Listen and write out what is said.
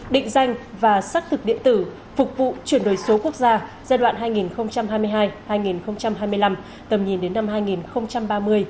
định danh và xác thực điện tử phục vụ chuyển đổi số quốc gia giai đoạn hai nghìn hai mươi hai hai nghìn hai mươi năm tầm nhìn đến năm hai nghìn ba mươi